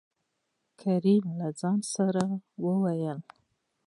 کريم : له ځان سره يې ووېل: